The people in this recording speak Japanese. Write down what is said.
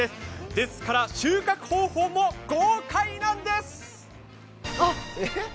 ですから収穫方法も豪快なんです。